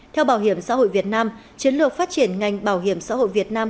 theo bảo hiểm xã hội việt nam chiến lược phát triển ngành bảo hiểm xã hội việt nam